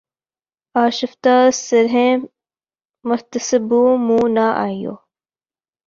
آشفتہ سر ہیں محتسبو منہ نہ آئیو